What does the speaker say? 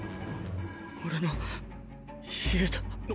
俺の家だ。な！